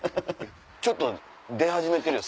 ちょっと出始めてるよ